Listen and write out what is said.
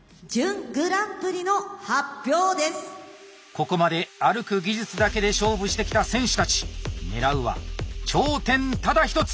ここまで歩く技術だけで勝負してきた選手たち狙うは頂点ただ一つ！